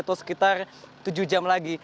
atau sekitar tujuh jam lagi